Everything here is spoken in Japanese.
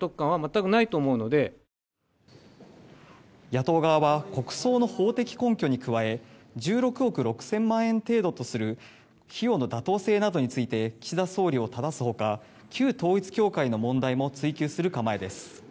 野党側は国葬の法的根拠に加え１６億６０００万円程度とする費用の妥当性などについて岸田総理をただすほか旧統一教会の問題も追及する構えです。